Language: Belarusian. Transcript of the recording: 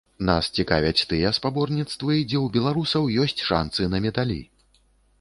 Нас цікавяць тыя спаборніцтвы, дзе ў беларусаў ёсць шанцы на медалі.